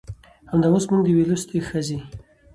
همدا اوس موږ د يوې لوستې ښځې